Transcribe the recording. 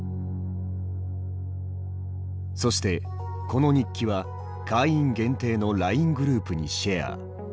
そしてこの日記は会員限定のＬＩＮＥグループにシェア。